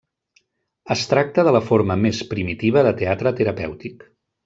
Es tracta de la forma més primitiva de teatre terapèutic.